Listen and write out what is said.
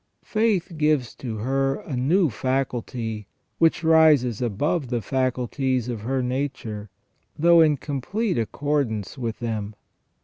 Faith gives to her a new faculty, which rises above the faculties of her nature, though in complete accordance with them.